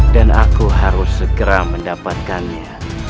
dan aku harus segera mendapatkannya